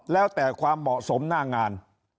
แล้วแต่ความเหมาะสมหน้างาน